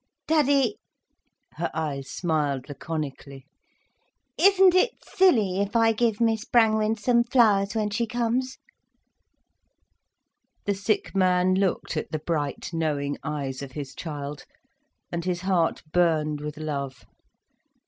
"Daddie—!" her eyes smiled laconically—"isn't it silly if I give Miss Brangwen some flowers when she comes?" The sick man looked at the bright, knowing eyes of his child, and his heart burned with love.